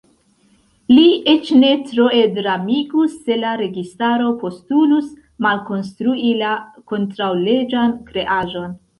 Li eĉ ne troe dramigus, se la registaro postulus malkonstrui la kontraŭleĝan kreaĵon.